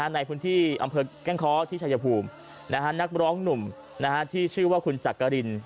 ในพื้นที่อำเภอแก้งค้อที่ชายภูมินักร้องหนุ่มที่ชื่อว่าคุณจักริน